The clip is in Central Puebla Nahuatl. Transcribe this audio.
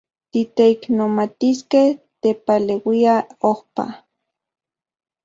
Titeiknomatiskej tepaleuia ojpa.